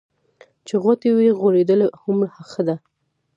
چې غوټۍ وي غوړېدلې هومره ښه ده.